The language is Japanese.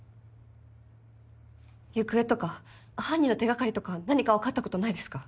行方とか犯人の手掛かりとか何か分かったことないですか？